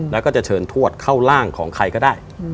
แล้วก็จะเชิญทวดเข้าร่างของใครก็ได้